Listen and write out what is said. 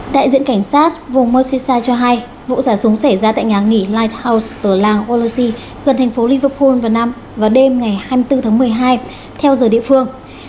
đại diện cảnh sát vùng merseyside cho hay vụ xả súng xảy ra tại nhà nghỉ lighthouse ở làng wallacy gần thành phố liverpool vào năm và đêm ngày hai mươi bốn tháng một mươi hai theo giờ địa phương